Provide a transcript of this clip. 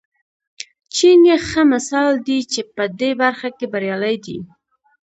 چین یې ښه مثال دی چې په دې برخه کې بریالی دی.